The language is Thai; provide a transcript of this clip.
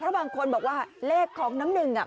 เพราะบางคนบอกว่าเลขของน้ำหนึ่งไม่มารอ